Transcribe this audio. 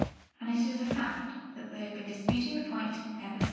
And it is a fact that they have been disputing the point ever since.